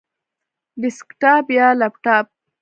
ډیسکټاپ یا لپټاپ؟